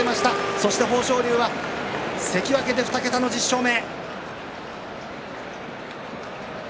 そして豊昇龍が関脇で２桁の１０勝目。